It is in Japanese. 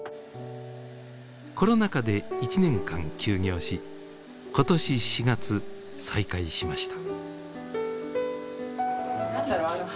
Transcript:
コロナ禍で１年間休業し今年４月再開しました。